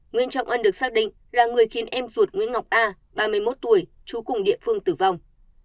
nguyên trọng ân được xác định là người khiến em ruột nguyễn ngọc a ba mươi một tuổi trú cùng địa phương tử vong